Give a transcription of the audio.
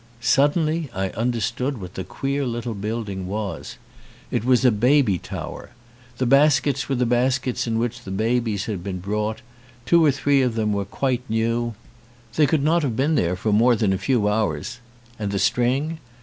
Suddenly I understood what the queer little build ing was. It was a baby tower. The baskets were the baskets in which the babies had been brought, two or three of them were quite new, they could 167 ON A CHINESE SCREEN not have been there more than a few hours. And the string?